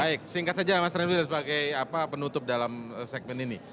baik singkat saja mas remil sebagai penutup dalam segmen ini